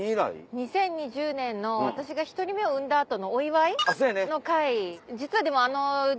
２０２０年の私が１人目を産んだ後のお祝いの会。